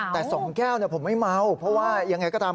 แต่๒แก้วผมไม่เมาเพราะว่ายังไงก็ตาม